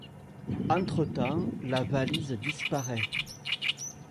Entretemps la valise disparaît.